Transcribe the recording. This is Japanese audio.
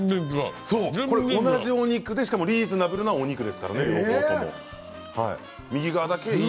同じお肉でしかも両方ともリーズナブルなお肉ですからね。